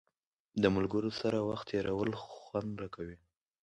د ملګرو سره وخت تېرول خوند راکوي.